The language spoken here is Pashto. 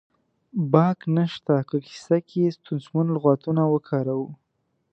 باک نه شته که کیسه کې ستونزمن لغاتونه وکاروو